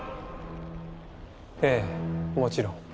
ええもちろん。